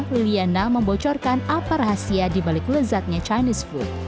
liliana membocorkan apa rahasia dibalik lezatnya chinese food